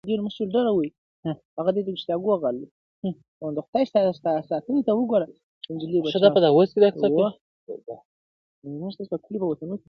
هر څوک د پیښي خپل تفسير وړاندي کوي,